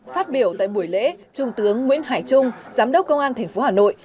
phát biểu tại buổi lễ trung tướng nguyễn hải trung giám đốc công an tp hà nội